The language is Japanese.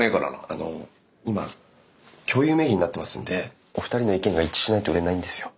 あの今共有名義になってますんでお二人の意見が一致しないと売れないんですよ。